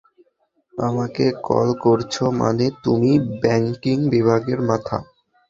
আমাকে কল করছো মানে তুমি ব্যাংকিং বিভাগের মাথা।